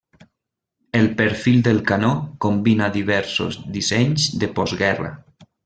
El perfil del canó combina diversos dissenys de postguerra.